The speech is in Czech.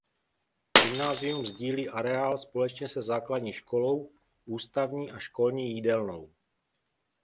Gymnázium sdílí areál společně se Základní školou Ústavní a školní jídelnou.